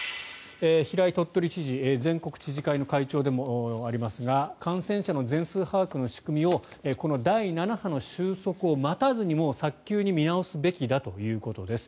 平井鳥取知事全国知事会の会長でもありますが感染者の全数把握の仕組みをこの第７波の収束を待たずに早急に見直すべきだということです。